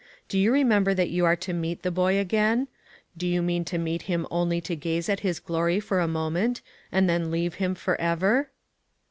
Do you remem ber that you are to meet the boy again ? Do you mean to meet him only to gaze at his glory for a moment, and then leave him forever?"